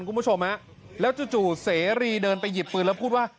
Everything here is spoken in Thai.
คุณผู้ชมฮะแล้วจู่เสรีเดินไปหยิบปืนแล้วพูดว่า